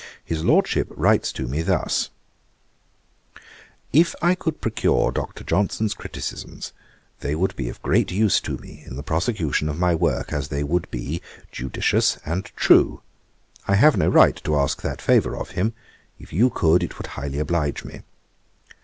His Lordship writes to me thus: "If I could procure Dr. Johnson's criticisms, they would be of great use to me in the prosecution of my work, as they would be judicious and true. I have no right to ask that favour of him. If you could, it would highly oblige me."